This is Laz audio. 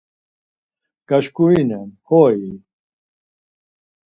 Gaşkurinen hoi?